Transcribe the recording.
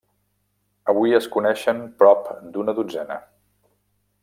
Avui es coneixen prop d'una dotzena.